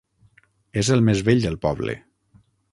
És el més vell del poble.